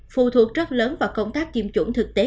phù thuộc rất lớn vào công tác kiêm chủng thực tế